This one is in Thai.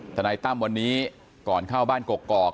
นายตั้มวันนี้ก่อนเข้าบ้านกกอก